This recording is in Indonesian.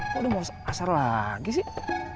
kok udah mau asar lagi sih